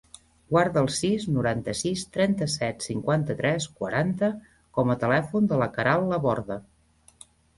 Guarda el sis, noranta-sis, trenta-set, cinquanta-tres, quaranta com a telèfon de la Queralt Laborda.